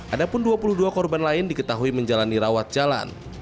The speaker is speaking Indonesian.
ada pun dua puluh dua korban lain diketahui menjalani rawat jalan